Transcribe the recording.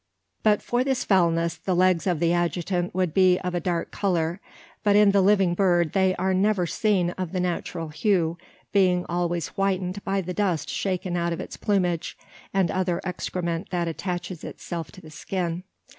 But for this foulness, the legs of the adjutant would be of a dark colour; but in the living bird they are never seen of the natural hue being always whitened by the dust shaken out of its plumage, and other excrement that attaches itself to the skin.